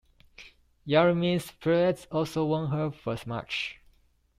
Yaremis Perez also won her first match.